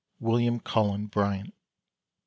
William Cullen Bryant.